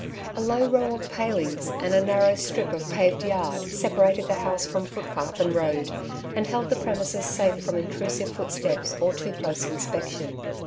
A low row of palings, and a narrow strip of paved yard, separated the house from footpath and road, and held the premises safe from intrusive footsteps or too close inspection.